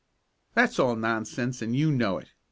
"That's all nonsense, and you know it!"